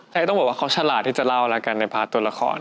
ใช่ต้องบอกว่าเขาฉลาดที่จะเล่าแล้วกันในพาร์ทตัวละคร